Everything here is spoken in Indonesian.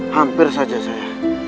hampir saja saya